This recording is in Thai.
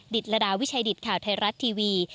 ดิดละดาวิชัยดิดข่าวไทยรัฐทีวี